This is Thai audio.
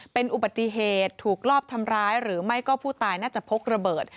เป็นอุบัติเหตุถูกลอบทำร้ายหรือไม่ก็ผู้ตายน่าจะพกระเบิด